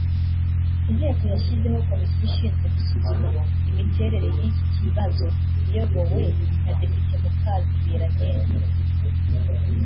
Inteko yashyizeho Komisiyo ishinzwe gusuzuma imiterere y’iki kibazo iyobowe na Depite Mukazibera Agnes